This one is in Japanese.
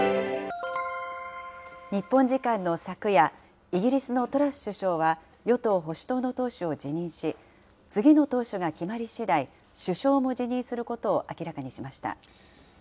日本時間の昨夜、イギリスのトラス首相は、与党・保守党の党首を辞任し、次の党首が決まりしだい、首相も辞任することを明らかにしました。